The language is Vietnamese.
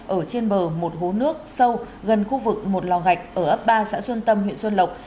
ở trên bờ một hố nước sâu gần khu vực một lò gạch ở ấp ba xã xuân tâm huyện xuân lộc